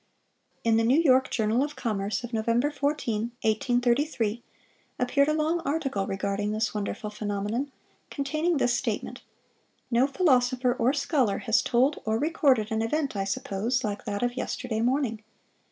(557) In the New York Journal of Commerce of Nov. 14, 1833, appeared a long article regarding this wonderful phenomenon, containing this statement: "No philosopher or scholar has told or recorded an event, I suppose, like that of yesterday morning.